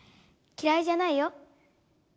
きらいじゃないよ。